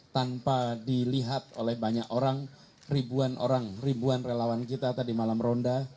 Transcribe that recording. tanpa dilihat oleh banyak orang ribuan orang ribuan relawan kita tadi malam ronda